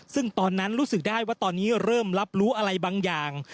ซึ่งตอนนั้นรู้สึกได้ว่าตอนนี้เริ่มรับรู้อะไรบางอย่าง